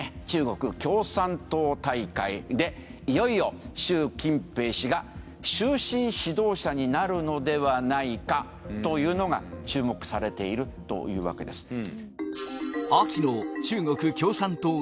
中国共産党大会でいよいよ習近平氏が終身指導者になるのではないかというのが注目されているというわけです。